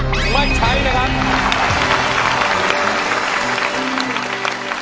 ไม่ใช้นะครับ